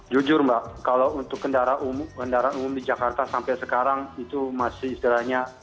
jujur mbak kalau untuk kendaraan umum di jakarta sampai sekarang itu masih istilahnya